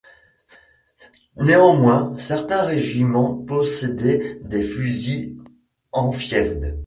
Néanmoins, certains régiments possédaient des fusils Enfield.